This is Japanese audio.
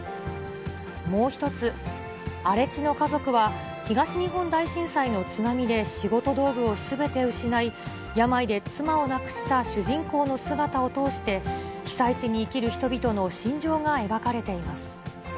もう１つ、荒地の家族は、東日本大震災の津波で仕事道具をすべて失い、病で妻を亡くした主人公の姿を通して、被災地に生きる人々の心情が描かれています。